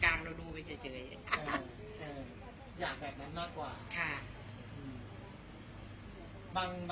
ทำไมถึงเลือกที่จะเป็นการไม่เลือกซักครั้งละ